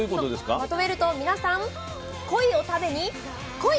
まとめると皆さん「コイ」を食べに「来い」！